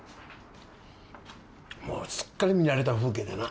もうすっかり見慣れた風景だな。